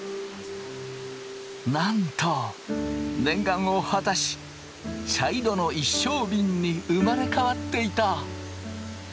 なんと念願を果たし茶色の一升びんに生まれ変わっていた。